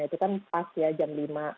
itu kan pas ya jam lima